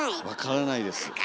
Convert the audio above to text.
分からないです。